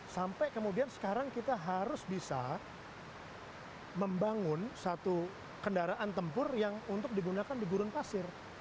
sampai kemudian sekarang kita harus bisa membangun satu kendaraan tempur yang untuk digunakan di gurun pasir